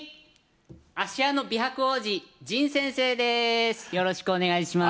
屋の美白王子・神先生です